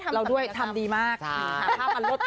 เหมือนกว้างอ่กเคิร์ย์กิฟตรงกิฟต์